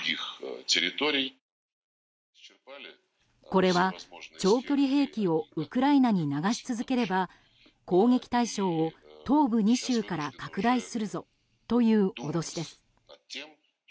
これは、長距離兵器をウクライナに流し続ければ攻撃対象を東部２州から拡大するぞという脅しです。